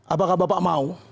apakah bapak mau